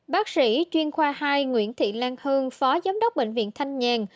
bác sĩ chuyên khoa hai nguyễn thị lan hương phó giám đốc bệnh viện thanh nhàn